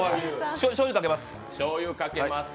しょうゆ、かけます。